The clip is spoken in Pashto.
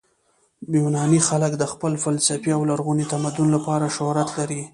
یوناني خلک د خپل فلسفې او لرغوني تمدن لپاره شهرت لري.